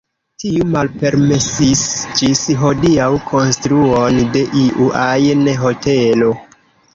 Tiu malpermesis ĝis hodiaŭ konstruon de iu ajn hotelo.